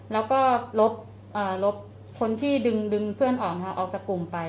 แล้วก็ลดคนที่ดึงดึงเพื่อนออกจากกลุ่มไป